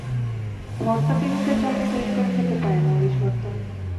ভর্তাপ্রেমিকরা চাইলে তৈরি করে খেতে পারেন মরিচ ভর্তা।